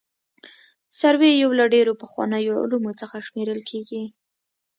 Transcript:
سروې یو له ډېرو پخوانیو علومو څخه شمېرل کیږي